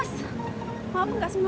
aku segment aku siapa siapa